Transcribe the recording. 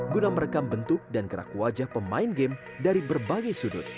guna merekam bentuk dan gerak wajah pemain game dari berbagai sudut